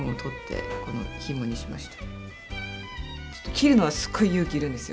切るのはすごい勇気要るんですよ。